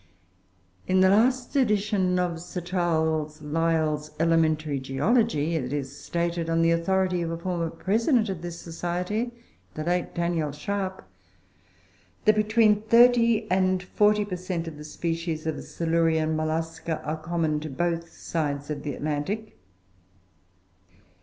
In the last edition of Sir Charles Lyell's "Elementary Geology" it is stated, on the authority of a former President of this Society, the late Daniel Sharpe, that between 30 and 40 per cent. of the species of Silurian Mollusca are common to both sides of the Atlantic.